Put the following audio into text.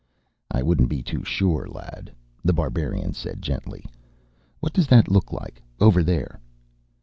"I wouldn't be too sure, lad," The Barbarian said gently. "What does that look like, over there?"